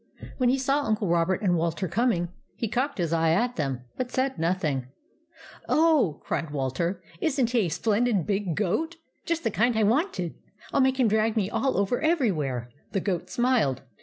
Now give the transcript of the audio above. When he saw Uncle Robert and Walter coming, he cocked his eye at them, but said nothing. " Oh," cried Walter, " is n't he a splen did big goat! Just the kind I wanted. I '11 make him drag me all over every where !" The goat smiled.